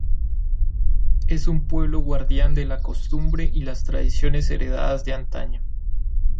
Es un pueblo guardián de las costumbre y tradiciones heredadas de antaño.